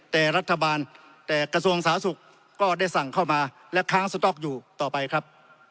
แต่รัฐบาลแต่กระทรวงสาธารณสุขก็ได้สั่งเข้ามาและค้างสต๊อกอยู่ต่อไปครับ